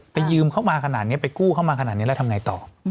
ยืมเข้ามาขนาดนี้ไปกู้เข้ามาขนาดนี้แล้วทำไงต่อ